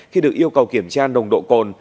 khi được yêu cầu kiểm tra nồng độ cồn